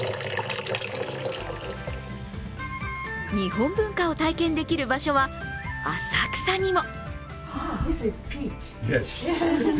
日本文化を体験できる場所は浅草にも。